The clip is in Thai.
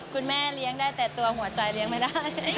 คุณแม่เลี้ยงได้แต่ตัวหัวใจเลี้ยงไม่ได้